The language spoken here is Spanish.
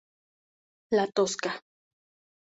La Tosca.